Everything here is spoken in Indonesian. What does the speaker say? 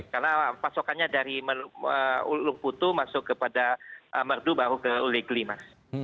karena pasokannya dari lungkutu masuk kepada merdu baru ke ulegli mas